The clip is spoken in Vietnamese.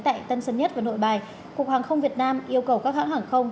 tại tân sân nhất và nội bài cục hàng không việt nam yêu cầu các hãng hàng không